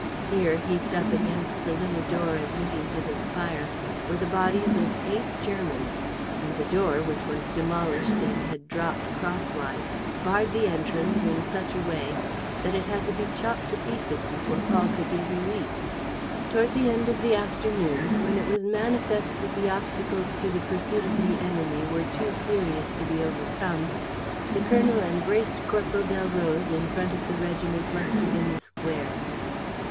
Here, heaped up against the little door admitting to the spire, were the bodies of eight Germans; and the door, which was demolished and had dropped crosswise, barred the entrance in such a way that it had to be chopped to pieces before Paul could be released. Toward the end of the afternoon, when it was manifest that the obstacles to the pursuit of the enemy were too serious to be overcome, the colonel embraced Corporal Delroze in front of the regiment mustered in the square.